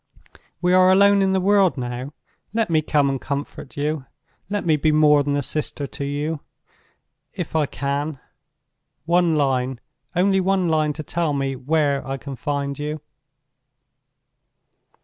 We are alone in the world now—let me come and comfort you, let me be more than a sister to you, if I can. One line—only one line to tell me where I can find you!"